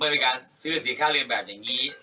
ในการซื้อสินค้าเรียนแบบอย่างนี้